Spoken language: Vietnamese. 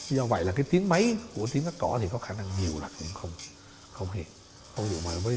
do vậy là cái tiếng máy của tiếng cắt cỏ thì có khả năng nhiều là cũng không nghe